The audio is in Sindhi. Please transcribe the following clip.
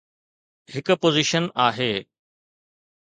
هڪ پوزيشن آهي.